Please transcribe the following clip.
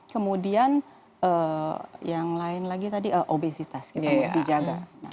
kemudian yang lain lagi tadi obesitas kita harus dijaga